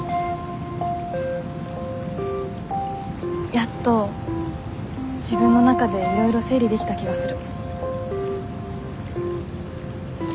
やっと自分の中でいろいろ整理できた気がする。